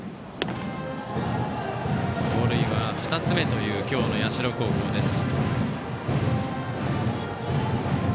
盗塁は２つ目という今日の社高校です。